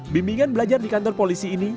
bimbingan belajar di kantor polisi ini